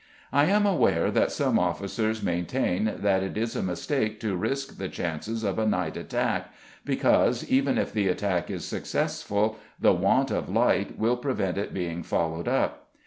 I am aware that some officers maintain that it is a mistake to risk the chances of a night attack, because, even if the attack is successful, the want of light will prevent it being followed up.